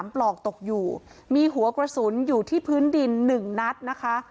ปลอกตกอยู่มีหัวกระสุนอยู่ที่พื้นดิน๑นัดนะคะ